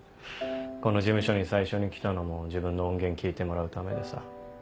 この事務所に最初に来たのも自分の音源聴いてもらうためでさ。